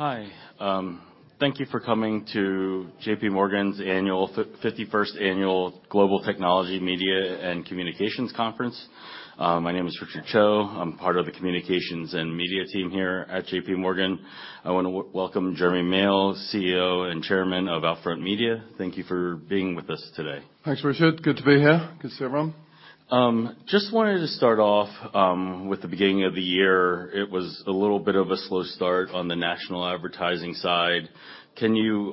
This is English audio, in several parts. Hi. Thank you for coming to J.P. Morgan's fifty-first annual Global Technology, Media and Communications Conference. My name is Richard Choe. I'm part of the communications and media team here at J.P. Morgan. I wanna welcome Jeremy Male, CEO and Chairman of Outfront Media. Thank you for being with us today. Thanks, Richard. Good to be here. Good to see everyone. just wanted to start off, with the beginning of the year. It was a little bit of a slow start on the national advertising side. Can you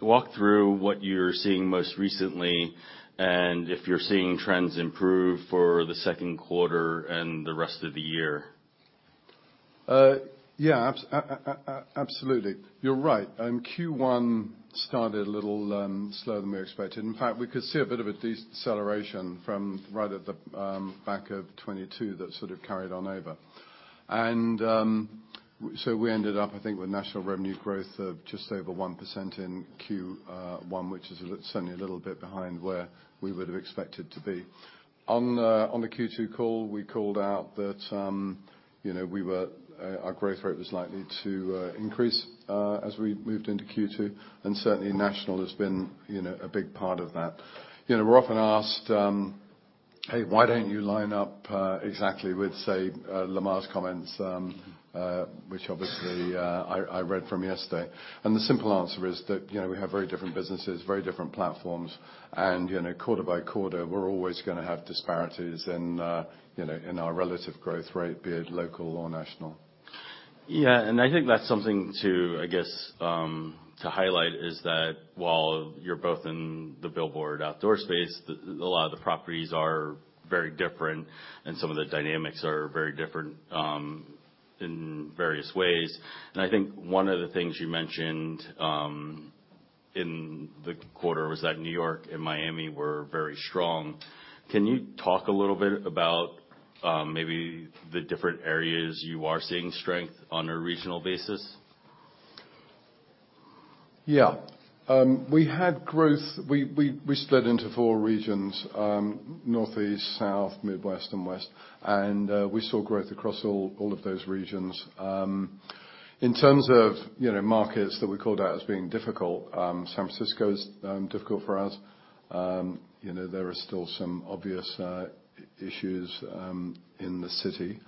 walk through what you're seeing most recently and if you're seeing trends improve for the second quarter and the rest of the year? Yeah. Absolutely. You're right. Q1 started a little slower than we expected. In fact, we could see a bit of a deceleration from right at the back of 2022 that sort of carried on over. We ended up, I think, with national revenue growth of just over 1% in Q1, which is certainly a little bit behind where we would've expected to be. On the Q2 call, we called out that, you know, we were, our growth rate was likely to increase as we moved into Q2, and certainly national has been, you know, a big part of that. You know, we're often asked, "Hey, why don't you line up exactly with, say, Lamar's comments," which obviously, I read from yesterday. The simple answer is that, you know, we have very different businesses, very different platforms, and, you know, quarter by quarter, we're always gonna have disparities in, you know, in our relative growth rate, be it local or national. Yeah. I think that's something to, I guess, to highlight, is that while you're both in the billboard outdoor space, a lot of the properties are very different, and some of the dynamics are very different, in various ways. I think one of the things you mentioned, in the quarter was that New York and Miami were very strong. Can you talk a little bit about, maybe the different areas you are seeing strength on a regional basis? Yeah. We split into four regions, Northeast, South, Midwest, and West. We saw growth across all of those regions. In terms of, you know, markets that we called out as being difficult, San Francisco's difficult for us. You know, there are still some obvious issues in the city.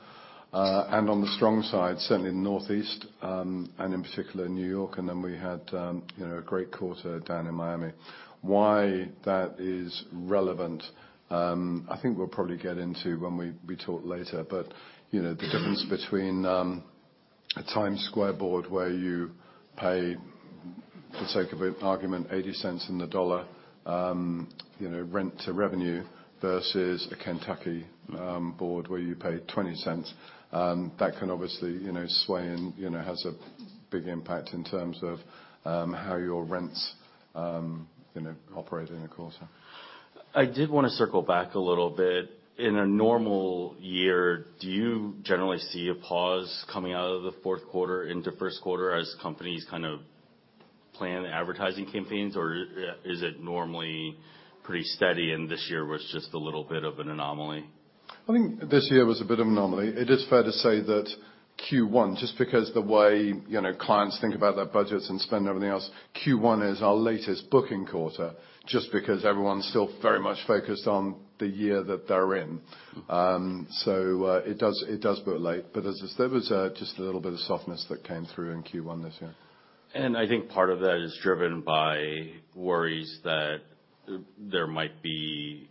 On the strong side, certainly Northeast, and in particular New York, and then we had, you know, a great quarter down in Miami. Why that is relevant, I think we'll probably get into when we talk later. You know, the difference between a Times Square board where you pay, for sake of argument, $0.80 on the dollar, you know, rent to revenue versus a Kentucky board where you pay $0.20, that can obviously, you know, sway and, you know, has a big impact in terms of how your rents, you know, operate in a quarter. I did wanna circle back a little bit. In a normal year, do you generally see a pause coming out of the fourth quarter into first quarter as companies kind of plan advertising campaigns, or is it normally pretty steady and this year was just a little bit of an anomaly? I think this year was a bit of an anomaly. It is fair to say that Q1, just because the way, you know, clients think about their budgets and spend and everything else, Q1 is our latest booking quarter, just because everyone's still very much focused on the year that they're in. So, it does book late. As I said, there was just a little bit of softness that came through in Q1 this year. I think part of that is driven by worries that there might be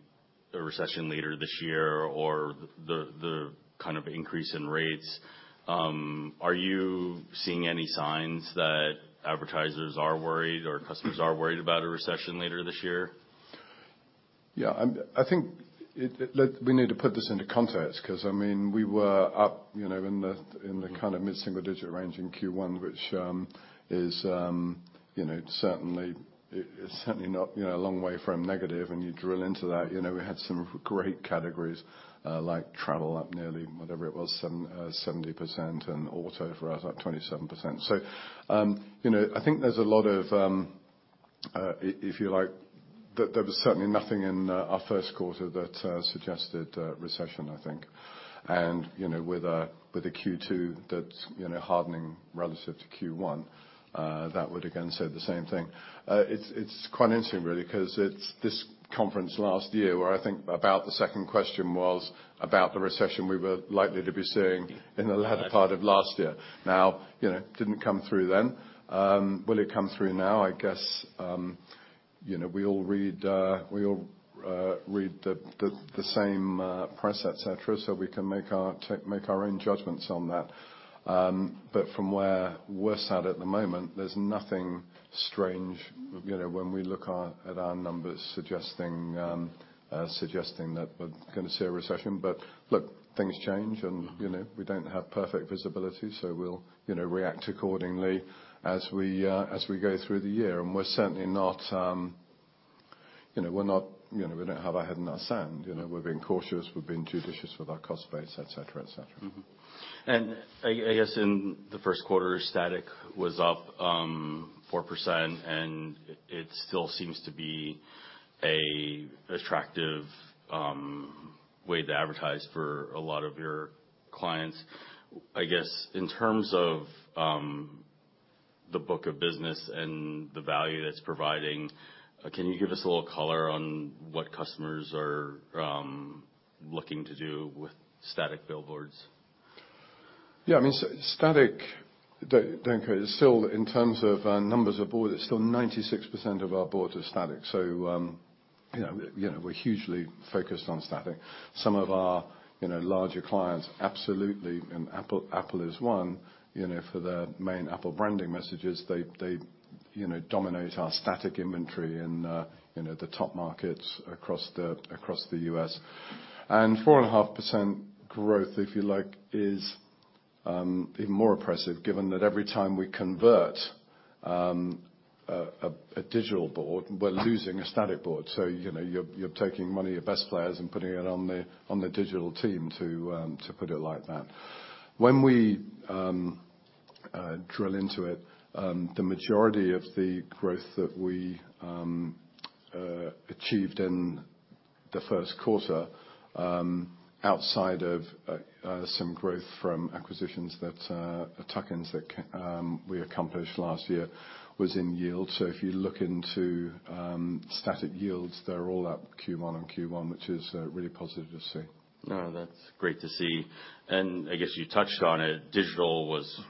a recession later this year or the kind of increase in rates. Are you seeing any signs that advertisers are worried or customers are worried about a recession later this year? Yeah. I think we need to put this into context, 'cause, I mean, we were up, you know, in the, in the kind of mid-single digit range in Q1, which is, you know, certainly. It's certainly not, you know, a long way from negative. When you drill into that, you know, we had some great categories, like travel up nearly, whatever it was, 70%, and auto for us up 27%. You know, I think there's a lot of, if you like. There was certainly nothing in our first quarter that suggested recession, I think. You know, with a, with a Q2 that's, you know, hardening relative to Q1, that would again say the same thing. It's quite interesting really, 'cause it's this conference last year where I think about the second question was about the recession we were likely to be seeing in the latter part of last year. You know, didn't come through then. Will it come through now? I guess, you know, we all read the same press, et cetera, so we can make our own judgments on that. But from where we're sat at the moment, there's nothing strange, you know, when we look at our numbers suggesting that we're gonna see a recession. Look, things change and, you know, we don't have perfect visibility, so we'll, you know, react accordingly as we, as we go through the year. We're certainly not, you know, we're not, you know, we don't have our head in the sand. You know, we're being cautious, we're being judicious with our cost base, et cetera, et cetera. I guess in the first quarter, static was up 4% and it still seems to be an attractive way to advertise for a lot of your clients. I guess, in terms of the book of business and the value that's providing, can you give us a little color on what customers are looking to do with static billboards? Yeah. I mean, static Still, in terms of, numbers of board, it's still 96% of our board is static. you know, we're hugely focused on static. Some of our, you know, larger clients, absolutely, Apple is one, you know, for their main Apple branding messages, they, you know, dominate our static inventory and, you know, the top markets across the U.S. 4.5% growth, if you like, is even more impressive given that every time we convert a digital board, we're losing a static board. you know, you're taking money, your best players, and putting it on the digital team, to put it like that. When we drill into it, the majority of the growth that we achieved in the first quarter, outside of some growth from acquisitions that tuck-ins that we accomplished last year was in yield. If you look into static yields, they're all at Q1 on Q1, which is really positive to see. No, that's great to see. I guess you touched on it, digital was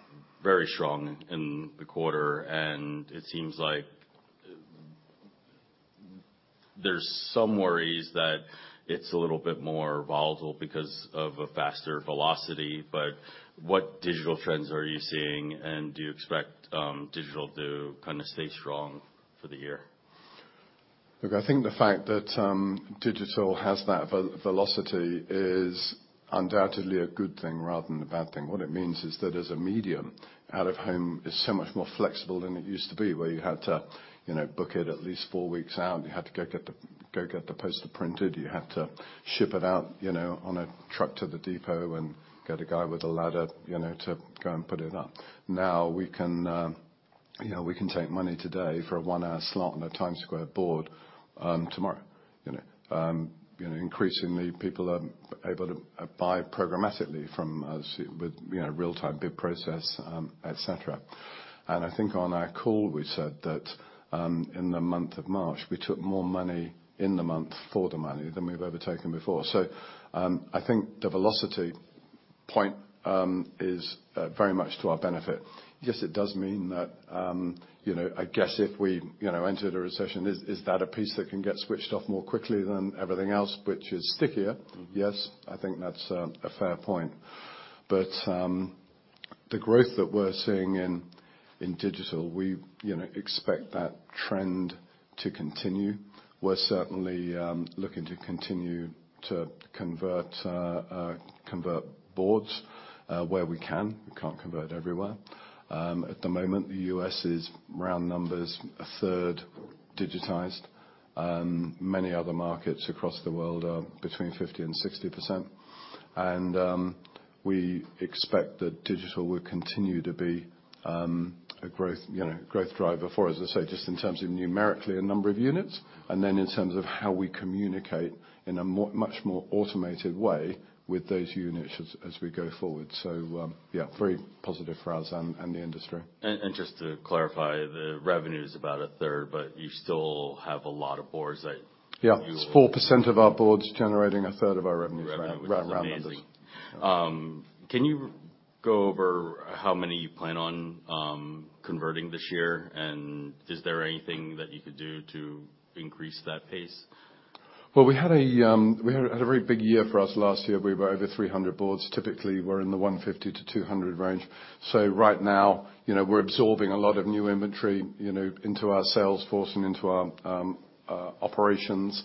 very strong in the quarter, and it seems like there's some worries that it's a little bit more volatile because of a faster velocity. What digital trends are you seeing, and do you expect digital to kind of stay strong for the year? Look, I think the fact that digital has that velocity is undoubtedly a good thing rather than a bad thing. What it means is that as a medium, out-of-home is so much more flexible than it used to be, where you had to, you know, book it at least four weeks out. You had to go get the poster printed, you had to ship it out, you know, on a truck to the depot and get a guy with a ladder, you know, to go and put it up. Now, we can, you know, we can take money today for a 1-hour slot on a Times Square board, tomorrow, you know. You know, increasingly people are able to buy programmatically from us with, you know, real-time bid process, et cetera. I think on our call, we said that, in the month of March, we took more money in the month for the money than we've ever taken before. I think the velocity point is very much to our benefit. Yes, it does mean that, you know, I guess if we, you know, entered a recession, is that a piece that can get switched off more quickly than everything else, which is stickier? Yes, I think that's a fair point. The growth that we're seeing in digital, we, you know, expect that trend to continue. We're certainly looking to continue to convert boards, where we can. We can't convert everywhere. At the moment, the U.S. is round numbers, a third digitized. Many other markets across the world are between 50% and 60%. We expect that digital will continue to be a growth, you know, growth driver for us. Just in terms of numerically a number of units, and then in terms of how we communicate in a much more automated way with those units as we go forward. Yeah, very positive for us and the industry. Just to clarify, the revenue is about a third, but you still have a lot of boards that. Yeah. It's 4% of our boards generating a third of our revenues. Revenue. Right, round numbers. Which is amazing. Can you go over how many you plan on converting this year? Is there anything that you could do to increase that pace? Well, we had a very big year for us last year. We were over 300 boards. Typically, we're in the 150 to 200 range. Right now, you know, we're absorbing a lot of new inventory, you know, into our sales force and into our operations.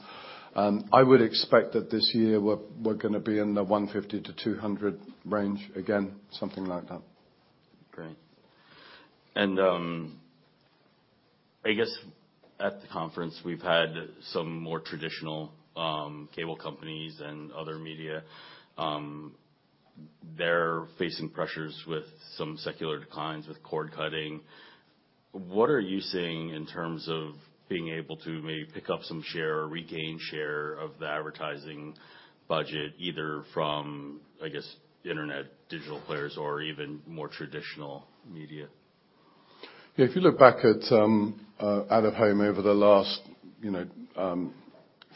I would expect that this year we're gonna be in the 150 to 200 range again, something like that. Great. I guess at the conference, we've had some more traditional, cable companies and other media, they're facing pressures with some secular declines with cord-cutting. What are you seeing in terms of being able to maybe pick up some share or regain share of the advertising budget, either from, I guess, internet digital players or even more traditional media? If you look back at out-of-home over the last, you know,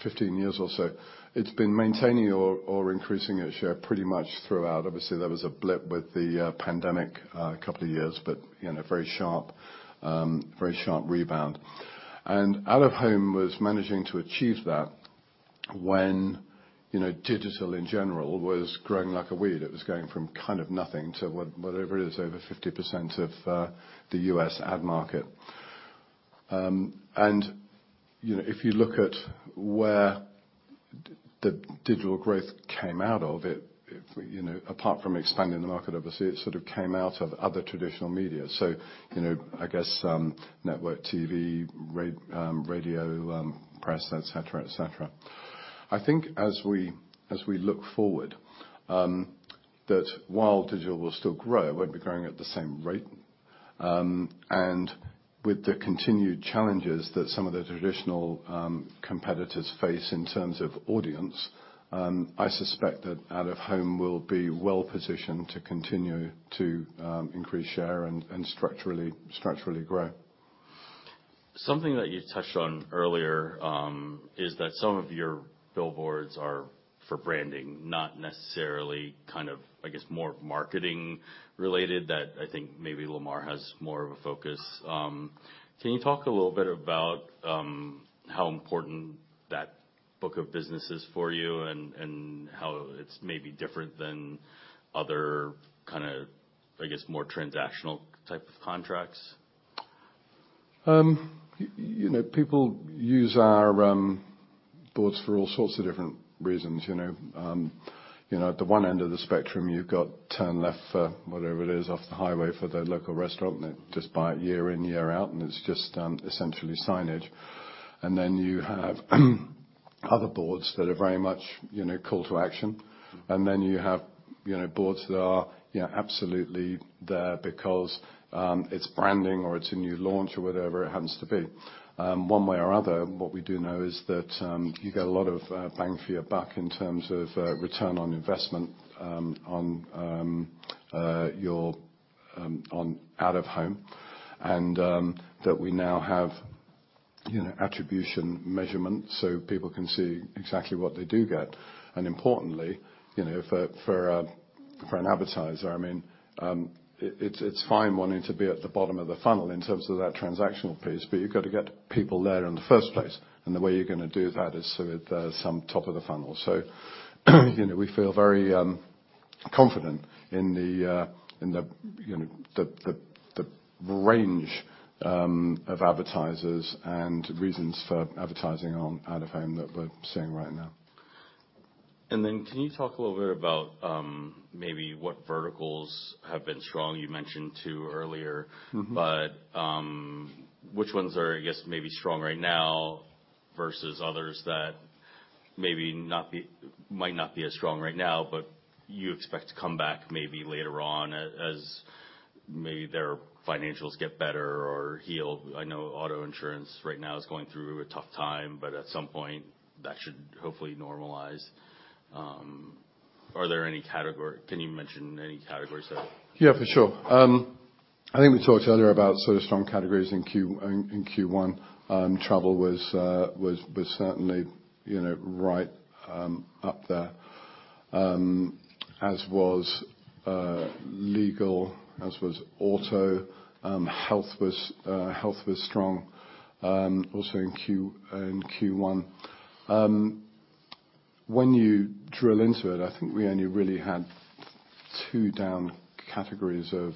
15 years or so, it's been maintaining or increasing its share pretty much throughout. Obviously, there was a blip with the pandemic two years, but, you know, very sharp, very sharp rebound. Out-of-home was managing to achieve that when, you know, digital in general was growing like a weed. It was going from kind of nothing to what, whatever it is, over 50% of the U.S. ad market. If you look at where digital growth came out of it, you know, apart from expanding the market, obviously, it sort of came out of other traditional media. I guess, network TV, radio, press, et cetera, et cetera. I think as we look forward, that while digital will still grow, it won't be growing at the same rate. With the continued challenges that some of the traditional, competitors face in terms of audience, I suspect that out-of-home will be well positioned to continue to, increase share and structurally grow. Something that you touched on earlier, is that some of your billboards are for branding, not necessarily kind of, I guess, more marketing related that I think maybe Lamar has more of a focus. Can you talk a little bit about, how important that book of business is for you and how it's maybe different than other kind of, I guess, more transactional type of contracts? you know, people use our boards for all sorts of different reasons, you know? you know, at the one end of the spectrum, you've got turn left for whatever it is off the highway for the local restaurant, and they just buy it year in, year out, and it's just essentially signage. Then you have other boards that are very much, you know, call to action. Then you have, you know, boards that are, you know, absolutely there because it's branding or it's a new launch or whatever it happens to be. One way or other, what we do know is that you get a lot of bang for your buck in terms of return on investment on your on out-of-home, and that we now have, you know, attribution measurement so people can see exactly what they do get. Importantly, you know, for a, for an advertiser, I mean, it's fine wanting to be at the bottom of the funnel in terms of that transactional piece, but you've got to get people there in the first place, and the way you're gonna do that is with some top of the funnel, you know, we feel very confident in the in the you know, the the the range of advertisers and reasons for advertising on out-of-home that we're seeing right now. Can you talk a little bit about, maybe what verticals have been strong? You mentioned two earlier. Which ones are, I guess, maybe strong right now versus others that might not be as strong right now, but you expect to come back maybe later on as maybe their financials get better or heal. I know auto insurance right now is going through a tough time, but at some point that should hopefully normalize. Can you mention any categories that- Yeah, for sure. I think we talked earlier about sort of strong categories in Q1. Travel was certainly, you know, right up there, as was legal, as was auto. Health was strong also in Q1. When you drill into it, I think we only really had two down categories of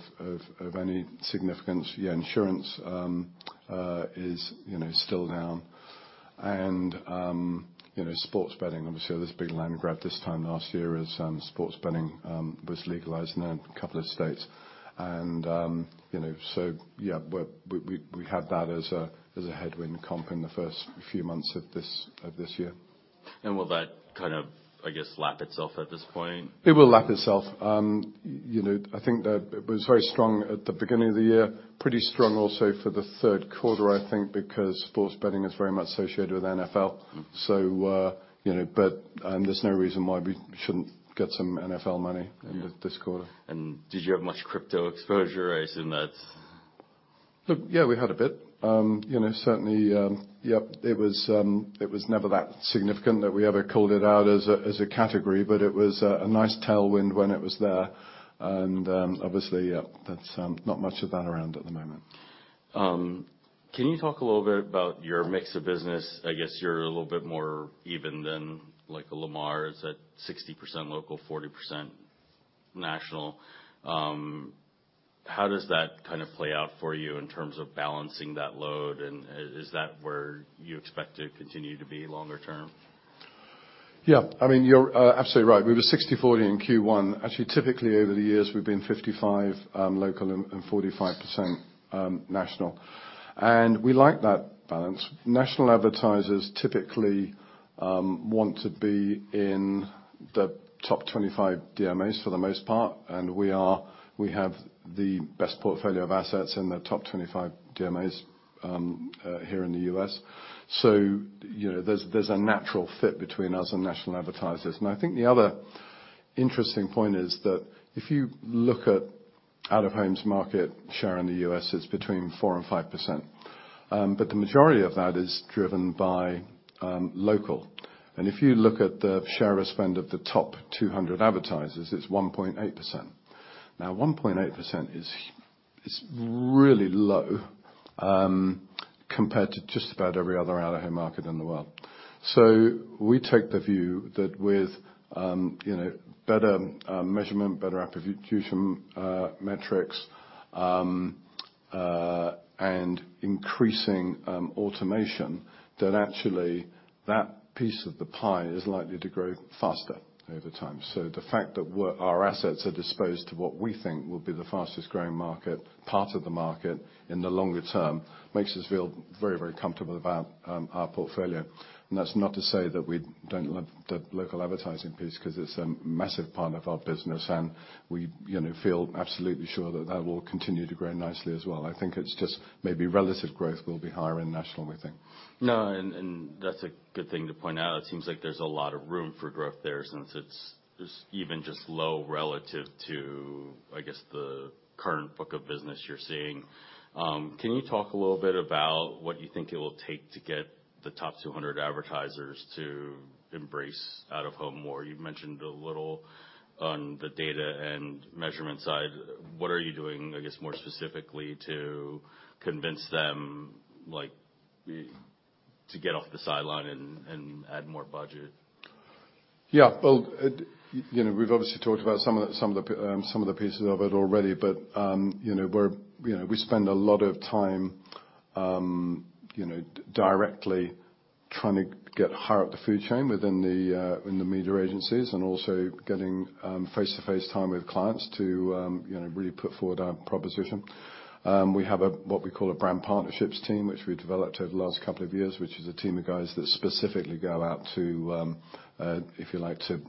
any significance. Yeah, insurance is, you know, still down. Sports betting, obviously there was a big land grab this time last year as sports betting was legalized in a couple of states. Yeah, we had that as a headwind comp in the first few months of this year. Will that kind of, I guess, lap itself at this point? It will lap itself. you know, I think that it was very strong at the beginning of the year. Pretty strong also for the third quarter, I think, because sports betting is very much associated with NFL. You know, there's no reason why we shouldn't get some NFL money— Yeah. In this quarter. Did you have much crypto exposure? I assume that— Look, yeah, we had a bit. You know, certainly, it was never that significant that we ever called it out as a category, but it was a nice tailwind when it was there. Obviously, that's not much of that around at the moment. Can you talk a little bit about your mix of business? I guess you're a little bit more even than like a Lamar. Is that 60% local, 40% national? How does that kind of play out for you in terms of balancing that load, and is that where you expect to continue to be longer term? Yeah. I mean, you're absolutely right. We were 60/40 in Q1. Actually, typically over the years, we've been 55 local and 45% national. We like that balance. National advertisers typically want to be in the top 25 DMAs for the most part, and we are. We have the best portfolio of assets in the top 25 DMAs here in the US. You know, there's a natural fit between us and national advertisers. I think the other interesting point is that if you look at out-of-home's market share in the US, it's between 4%-5%, but the majority of that is driven by local. If you look at the share of spend of the top 200 advertisers, it's 1.8%. 1.8% is really low, compared to just about every other out-of-home market in the world. We take the view that with, you know, better measurement, better attribution, metrics, and increasing automation, that piece of the pie is likely to grow faster over time. The fact that our assets are disposed to what we think will be the fastest-growing market, part of the market in the longer term, makes us feel very, very comfortable about our portfolio. That's not to say that we don't love the local advertising piece 'cause it's a massive part of our business and we, you know, feel absolutely sure that that will continue to grow nicely as well. I think it's just maybe relative growth will be higher in national, we think. That's a good thing to point out. It seems like there's a lot of room for growth there since it's even just low relative to, I guess, the current book of business you're seeing. Can you talk a little bit about what you think it will take to get the top 200 advertisers to embrace out-of-home more? You mentioned a little on the data and measurement side. What are you doing, I guess, more specifically to convince them, like, to get off the sideline and add more budget? Yeah. Well, you know, we've obviously talked about some of the, some of the pieces of it already, but, you know, we're, you know, we spend a lot of time, you know, directly trying to get higher up the food chain within the in the media agencies, and also getting face-to-face time with clients to, you know, really put forward our proposition. We have a, what we call a brand partnerships team, which we developed over the last couple of years, which is a team of guys that specifically go out to, if you like, to,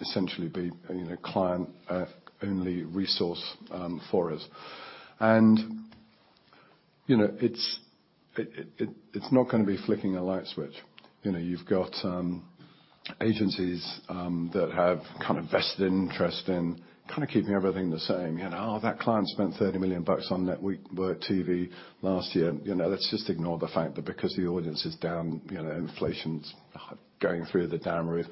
essentially be, you know, client only resource for us. You know, it's, it, it's not gonna be flicking a light switch. You know, you've got agencies that have kind of vested interest in kind of keeping everything the same. You know, that client spent $30 million on network TV last year. You know, let's just ignore the fact that because the audience is down, you know, inflation's going through the damn roof,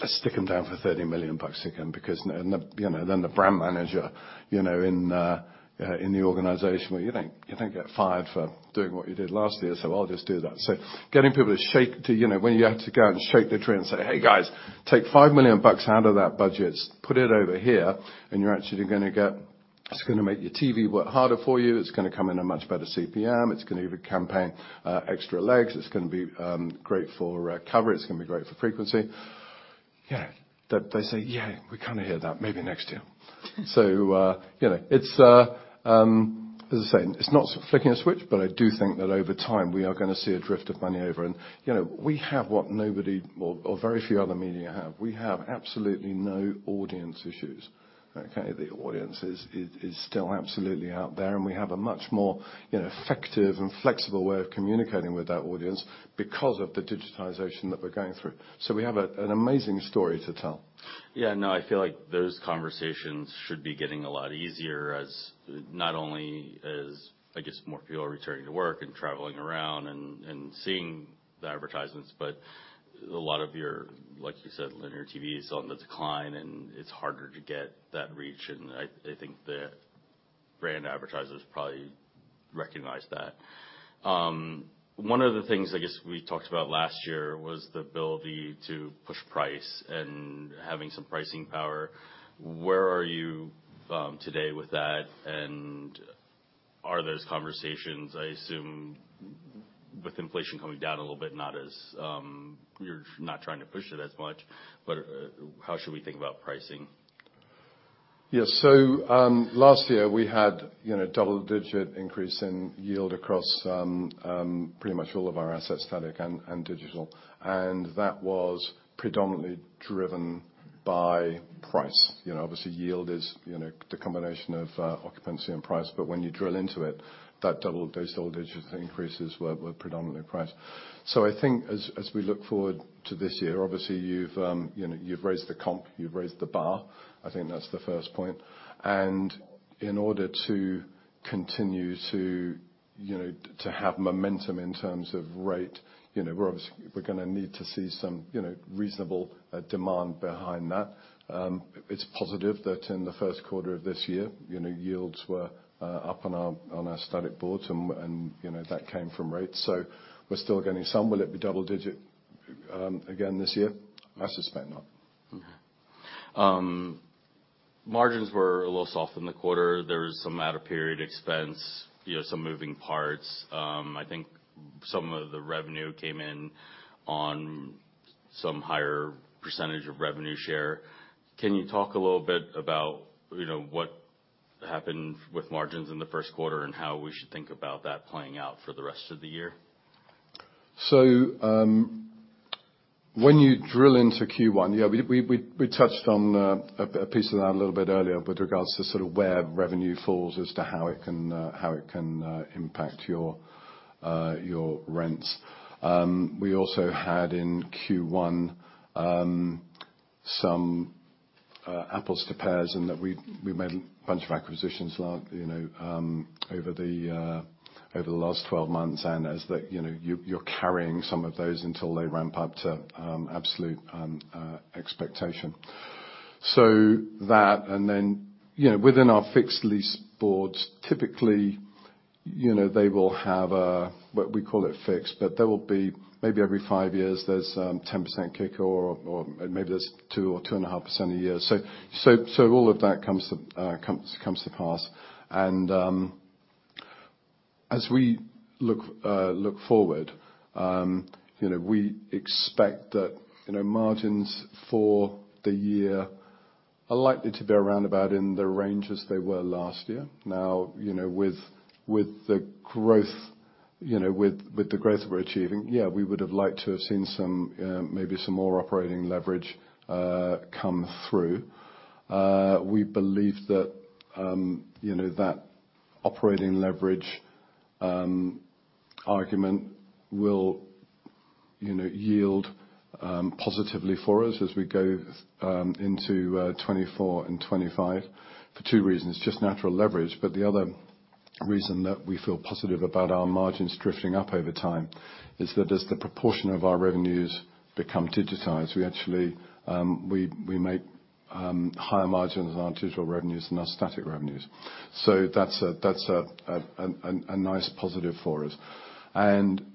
let's stick 'em down for $30 million again. The brand manager, you know, in the organization where you don't, you don't get fired for doing what you did last year, so I'll just do that. Getting people to shake the tree and say, "Hey, guys, take $5 million out of that budget, put it over here, and you're actually gonna get. It's gonna make your TV work harder for you. It's gonna come in a much better CPM. It's gonna give your campaign extra legs. It's gonna be great for recovery. It's gonna be great for frequency." They say, "Yeah, we kinda hear that. Maybe next year." You know, as I say, it's not flicking a switch, but I do think that over time, we are gonna see a drift of money over. You know, we have what nobody or very few other media have. We have absolutely no audience issues, okay? The audience is still absolutely out there, and we have a much more, you know, effective and flexible way of communicating with that audience because of the digitization that we're going through. We have an amazing story to tell. Yeah, no, I feel like those conversations should be getting a lot easier as not only, I guess, more people returning to work and traveling around and seeing the advertisements, but a lot of your, like you said, linear TV is on the decline, and it's harder to get that reach, and I think the brand advertisers probably recognize that. One of the things, I guess, we talked about last year was the ability to push price and having some pricing power. Where are you today with that? Are those conversations, I assume with inflation coming down a little bit, not as, you're not trying to push it as much, but, how should we think about pricing? Yeah. Last year, we had, you know, double-digit increase in yield across pretty much all of our assets, static and digital. That was predominantly driven by price. You know, obviously yield is, you know, the combination of occupancy and price. When you drill into it, those double-digit increases were predominantly price. I think as we look forward to this year, obviously you've, you know, you've raised the comp, you've raised the bar. I think that's the first point. In order to continue to, you know, to have momentum in terms of rate, you know, we're gonna need to see some, you know, reasonable demand behind that. It's positive that in the first quarter of this year, you know, yields were up on our static boards and, you know, that came from rates. We're still getting some. Will it be double digit again this year? I suspect not. Margins were a little soft in the quarter. There was some out-of-period expense, you know, some moving parts. I think some of the revenue came in on some higher percentage of revenue share. Can you talk a little bit about, you know, what happened with margins in the first quarter and how we should think about that playing out for the rest of the year? When you drill into Q1, we touched on a piece of that a little bit earlier with regards to sort of where revenue falls as to how it can impact your rents. We also had in Q1 some apples to pears in that we made a bunch of acquisitions, you know, over the last 12 months. As the, you know, you're carrying some of those until they ramp up to absolute expectation. You know, within our fixed lease boards, typically, you know, they will have a, what we call it fixed, but there will be maybe every five years, there's 10% kicker or maybe there's 2% or 2.5% a year. All of that comes to pass. As we look forward, you know, we expect that, you know, margins for the year are likely to be around about in the ranges they were last year. You know, with the growth, you know, with the growth we're achieving, yeah, we would have liked to have seen some maybe some more operating leverage come through. We believe that, you know, that operating leverage argument will, you know, yield positively for us as we go into 2024 and 2025 for two reasons. Just natural leverage. The other reason that we feel positive about our margins drifting up over time is that as the proportion of our revenues become digitized, we actually make higher margins on our digital revenues than our static revenues. That's a nice positive for us.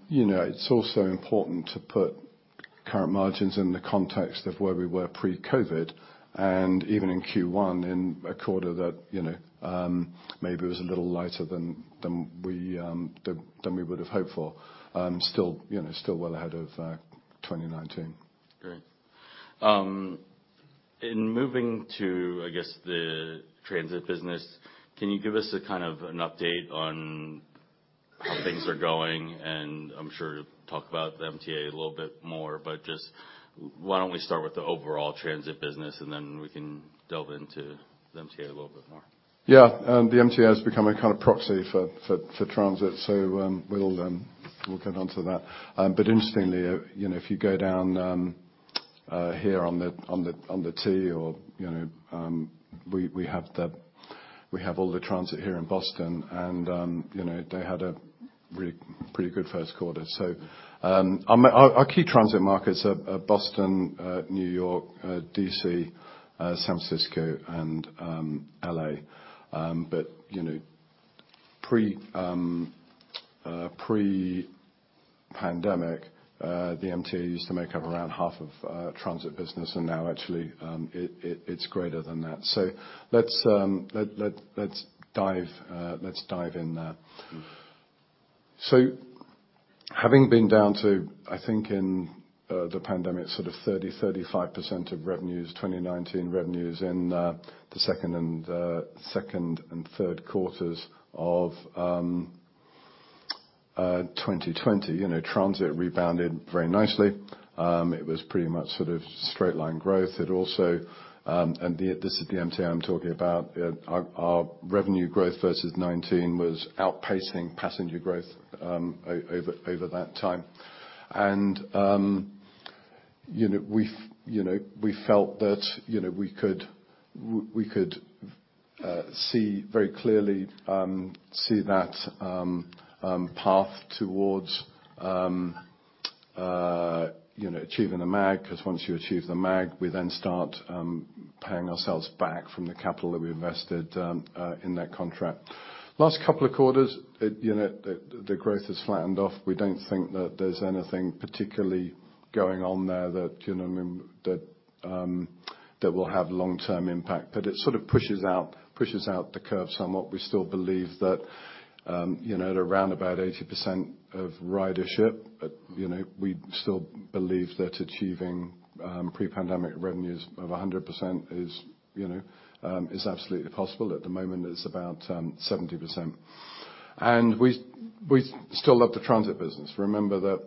You know, it's also important to put current margins in the context of where we were pre-COVID and even in Q1, in a quarter that, you know, maybe was a little lighter than we would have hoped for. Still, you know, well ahead of 2019. Great. In moving to, I guess, the transit business, can you give us a kind of an update on how things are going? I'm sure you'll talk about the MTA a little bit more, but just why don't we start with the overall transit business, and then we can delve into the MTA a little bit more. The MTA has become a kind of proxy for transit. We'll get on to that. Interestingly, you know, if you go down here on the T or, you know, we have all the transit here in Boston and, you know, they had a really pretty good first quarter. Our key transit markets are Boston, New York, D.C., San Francisco and L.A. You know, pre-pandemic, the MTA used to make up around half of transit business, now actually it's greater than that. Let's dive in there. Having been down to, I think, in the pandemic, sort of 30%-35% of revenues, 2019 revenues in the second and third quarters of 2020. You know, transit rebounded very nicely. It was pretty much sort of straight line growth. It also, this is the MTA I'm talking about. Our revenue growth versus 2019 was outpacing passenger growth over that time. You know, we felt that, you know, we could see very clearly, see that path towards, you know, achieving the MAG. 'Cause once you achieve the MAG, we then start paying ourselves back from the capital that we invested in that contract. Last couple of quarters, you know, the growth has flattened off. We don't think that there's anything particularly going on there that, you know, that will have long-term impact. It sort of pushes out the curve somewhat. We still believe that, you know, at around about 80% of ridership, you know, we still believe that achieving pre-pandemic revenues of 100% is, you know, is absolutely possible. At the moment, it's about 70%. We still love the transit business. Remember that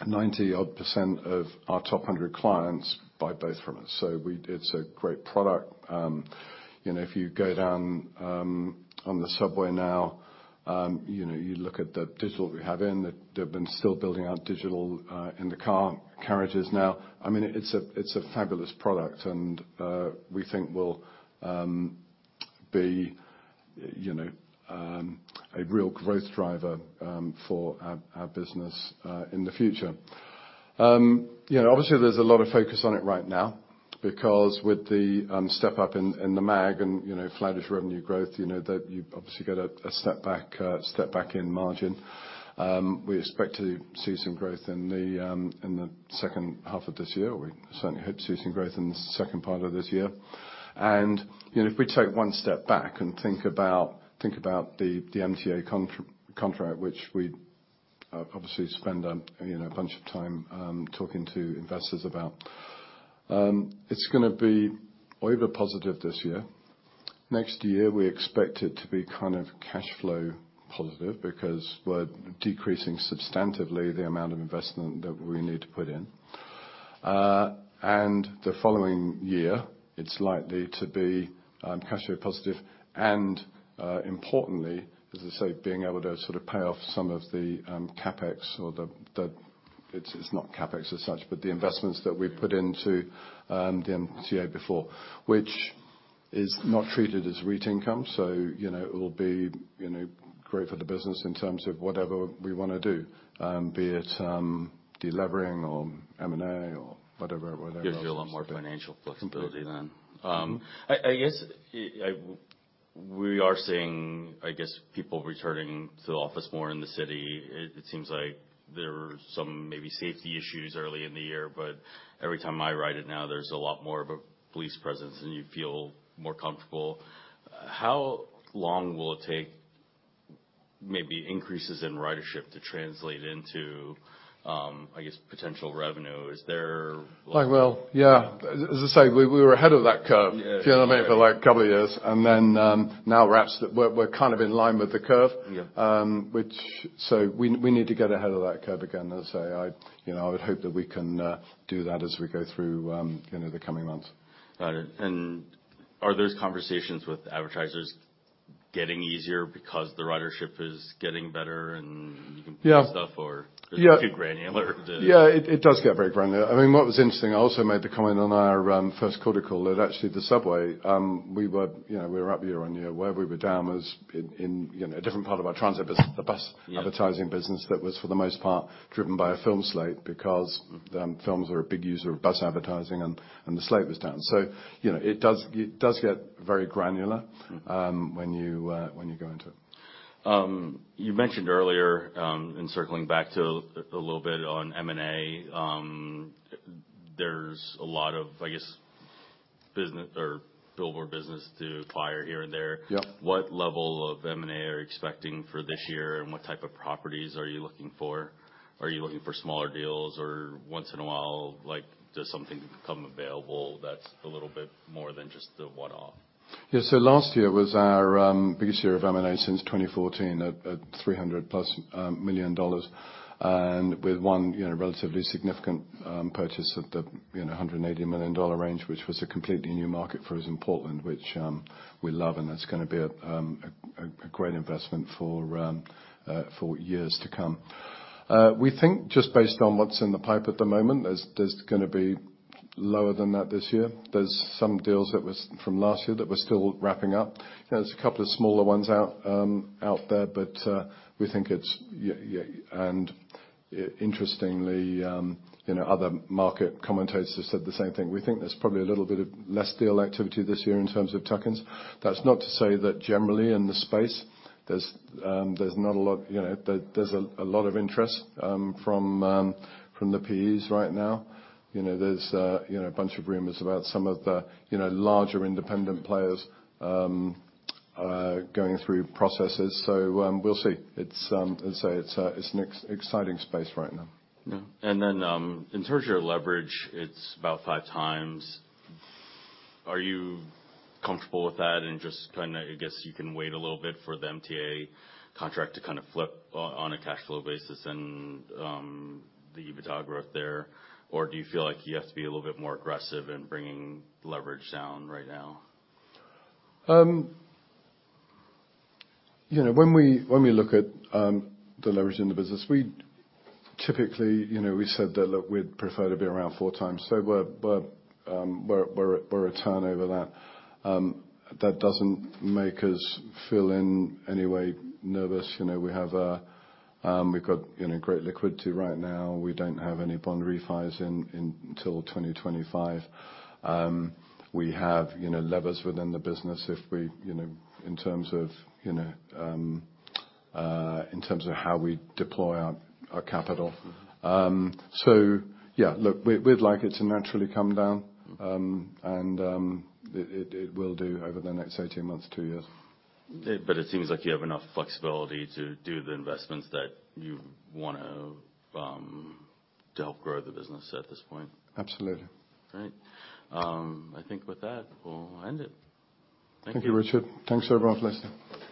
90% odd of our top 100 clients buy both from us, so it's a great product. You know, if you go down on the subway now, you know, you look at the digital we have in. They've been still building out digital in the car carriages now. I mean, it's a fabulous product, and we think will be, you know, a real growth driver for our business in the future. You know, obviously, there's a lot of focus on it right now because with the step up in the MAG and, you know, flattish revenue growth, you know, that you obviously get a step back in margin. We expect to see some growth in the second half of this year. We certainly hope to see some growth in the second part of this year. You know, if we take one step back and think about, think about the MTA contract, which we obviously spend a, you know, a bunch of time talking to investors about, it's gonna be OIBDA positive this year. Next year, we expect it to be kind of cash flow positive because we're decreasing substantively the amount of investment that we need to put in. The following year it's likely to be cash flow positive and importantly, as I say, being able to sort of pay off some of the CapEx or the investments that we put into the MTA before, which is not treated as REIT income, you know, it will be, you know, great for the business in terms of whatever we wanna do, be it, de-levering or M&A or whatever else. Gives you a lot more financial flexibility then. I guess we are seeing, I guess, people returning to the office more in the city. It seems like there were some maybe safety issues early in the year, but every time I ride it now, there's a lot more of a police presence, and you feel more comfortable. How long will it take? Maybe increases in ridership to translate into, I guess potential revenue? Is there? Like, well, yeah. As I say, we were ahead of that curve— Yeah. Do you know what I mean? For like a couple of years. Now we're kind of in line with the curve. Yeah. We need to get ahead of that curve again. As I say, I, you know, I would hope that we can do that as we go through, you know, the coming months. Got it. Are those conversations with advertisers getting easier because the ridership is getting better? Yeah. Do stuff or— Yeah. Is it too granular to? It does get very granular. I mean, what was interesting, I also made the comment on our first quarter call that actually the subway, we were, you know, we were up year-on-year. Where we were down was in, you know, a different part of our transit business. Yeah. Advertising business that was for the most part driven by a film slate because films are a big user of bus advertising and the slate was down. You know, it does get very granular when you go into it. You mentioned earlier, circling back to a little bit on M&A, there's a lot of, I guess, billboard business to acquire here and there. Yep. What level of M&A are you expecting for this year, and what type of properties are you looking for? Are you looking for smaller deals or once in a while, like, does something become available that's a little bit more than just the one-off? Last year was our biggest year of M&A since 2014 at $300+ million, and with one, you know, relatively significant purchase at the, you know, $180 million range, which was a completely new market for us in Portland, which we love, and that's gonna be a great investment for years to come. We think, just based on what's in the pipe at the moment, there's gonna be lower than that this year. There's some deals that was from last year that we're still wrapping up. There's a couple of smaller ones out out there, but we think it's. Interestingly, you know, other market commentators have said the same thing. We think there's probably a little bit of less deal activity this year in terms of tuck-ins. That's not to say that generally in the space, there's not a lot. You know, there's a lot of interest from the PEs right now. You know, there's, you know, a bunch of rumors about some of the, you know, larger independent players going through processes. We'll see. It's, as I say, it's an exciting space right now. Yeah. In terms of your leverage, it's about five times. Are you comfortable with that, and just kinda, I guess you can wait a little bit for the MTA contract to kind of flip on a cash flow basis and the EBITDA growth there, or do you feel like you have to be a little bit more aggressive in bringing leverage down right now? You know, when we, when we look at, the leverage in the business, we typically, you know, we said that, look, we'd prefer to be around four times. We're a ton over that. That doesn't make us feel in any way nervous. You know, we have a, we've got, you know, great liquidity right now. We don't have any bond refis in till 2025. We have, you know, levers within the business if we, you know, in terms of, you know, in terms of how we deploy our capital. Yeah. Look, we'd like it to naturally come down. It will do over the next 18 months, two years. It seems like you have enough flexibility to do the investments that you want to help grow the business at this point. Absolutely. Great. I think with that, we'll end it. Thank you. Thank you, Richard. Thanks everyone for listening.